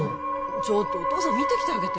ちょっとお父さん見てきてあげて・